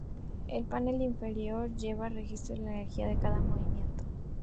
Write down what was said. El panel inferior lleva registro de la energía de cada movimiento aceptado.